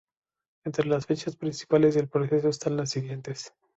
Entre las fechas principales del proceso están las siguientesː